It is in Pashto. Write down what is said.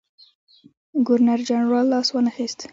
ګورنرجنرال لاس وانه خیست.